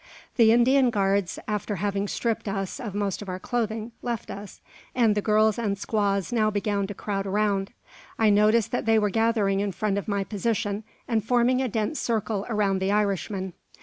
The Indian guards, after having stripped us of most of our clothing, left us; and the girls and squaws now began to crowd around. I noticed that they were gathering in front of my position, and forming a dense circle around the Irishman.